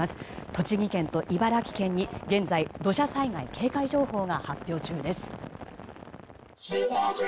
栃木県と茨城県に現在、土砂災害警戒情報が発表中です。